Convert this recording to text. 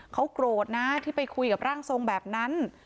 เขาโกรธนะที่ไปคุยกับร่างทรงแบบนั้น